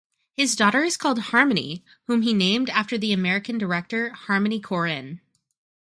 His daughter is called Harmony, whom he named after the American director Harmony Korine.